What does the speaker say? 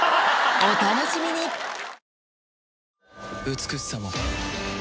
美しさも